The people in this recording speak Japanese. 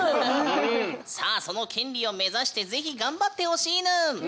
さあその権利を目指して是非頑張ってほしいぬん。